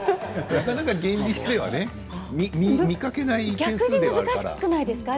なかなか現実ではね見かけないですよね。